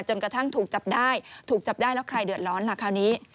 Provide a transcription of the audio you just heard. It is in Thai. จนกระทั่งถูกจับได้ถูกจับได้แล้วใครเดือดร้อนล่ะคราวนี้